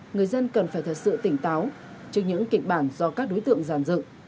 người dân cần phải thật sự tỉnh táo trước những kịch bản do các đối tượng giàn dựng